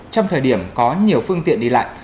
trong thời điểm có nhiều phương tiện đi lại